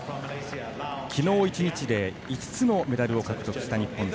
きのう１日で５つのメダルを獲得した日本勢。